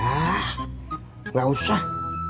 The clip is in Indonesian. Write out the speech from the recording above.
hah gak usah